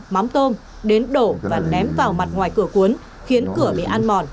mắm tôm đến đổ và ném vào mặt ngoài cửa cuốn khiến cửa bị ăn mòn